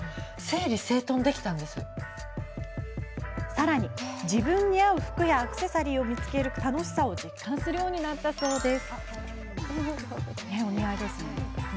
さらに、自分に合う服やアクセサリーを見つける楽しさを実感するようになったそうです。